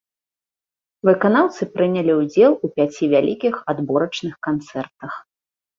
Выканаўцы прынялі ўдзел у пяці вялікіх адборачных канцэртах.